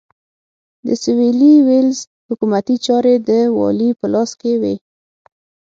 د سوېلي ویلز حکومتي چارې د والي په لاس کې وې.